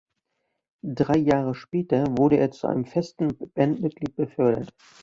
Drei Jahre später wurde er zu einem festen Bandmitglied befördert.